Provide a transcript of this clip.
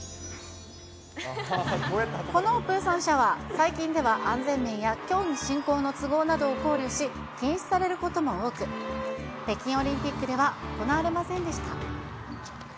このプーさんシャワー、最近では、安全面や競技進行の都合などを考慮し、禁止されることも多く、北京オリンピックでは行われませんでした。